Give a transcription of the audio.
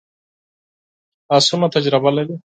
لاسونه تجربه لري